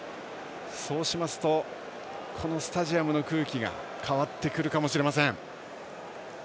そうしますとこのスタジアムの空気が変わってくるかもしれません。